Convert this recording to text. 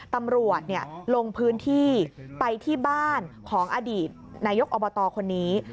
ตำรวจลงพื้นที่ไปที่บ้านของอดีตนายกอบตคนนี้